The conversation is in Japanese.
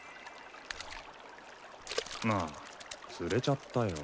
あ釣れちゃったよ。